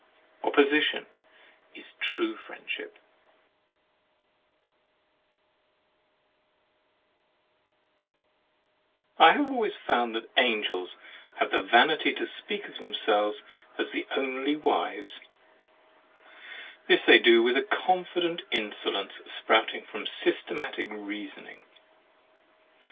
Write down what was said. '* "I have always found that Angels have the vanity to speak of them selves as the only wise; this they do with a confident insolence sprouting from systematic reasoning.